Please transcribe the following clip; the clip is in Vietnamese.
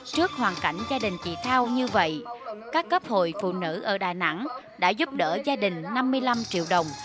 trước hoàn cảnh gia đình chị thao như vậy các cấp hội phụ nữ ở đà nẵng đã giúp đỡ gia đình năm mươi năm triệu đồng